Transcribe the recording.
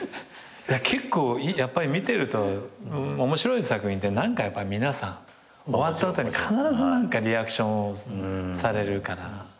結構見てると面白い作品って何かやっぱ皆さん終わった後に必ず何かリアクションされるから。